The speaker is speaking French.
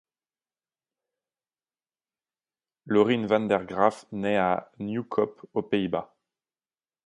Laurien Van Der Graaf naît à Nieuwkoop, aux Pays-Bas.